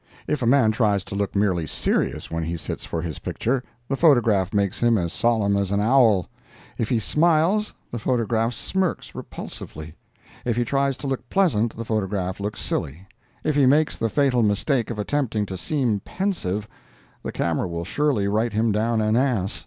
If a man tries to look merely serious when he sits for his picture, the photograph makes him as solemn as an owl; if he smiles, the photograph smirks repulsively; if he tries to look pleasant, the photograph looks silly; if he makes the fatal mistake of attempting to seem pensive, the camera will surely write him down an ass.